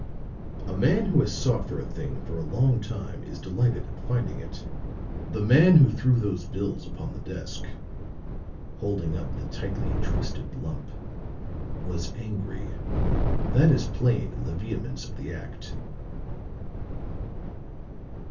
"A man who has sought for a thing for a long time is delighted at finding it. The man who threw those bills upon the desk," holding up the tightly twisted lump, "was angry. That is plain in the vehemence of the act."